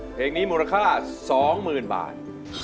เพลงนี้มูลค่า๒๐๐๐บาท